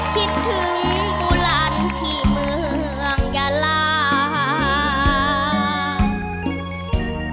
คิดถึงบูลันที่เมืองยาลา